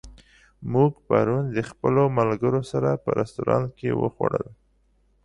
موږ پرون د خپلو ملګرو سره په رستورانت کې وخوړل.